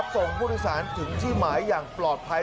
ส่งผู้โดยสารถึงที่หมายอย่างปลอดภัย